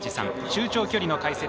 中長距離の解説